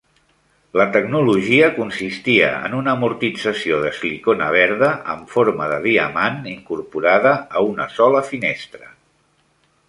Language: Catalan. La tecnologia consistia en una amortització de silicona verda amb forma de diamant incorporada a una sola finestra.